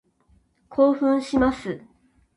興奮します。